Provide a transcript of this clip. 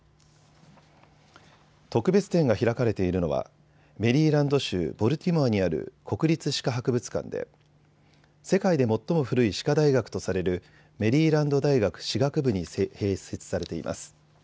特別展が開かれているのはメリーランド州ボルティモアにある国立歯科博物館で世界で最も古い歯科大学とされるメリーランド大学歯学部に併設されています。